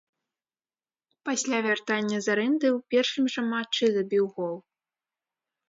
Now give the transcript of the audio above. Пасля вяртання з арэнды ў першым жа матчы забіў гол.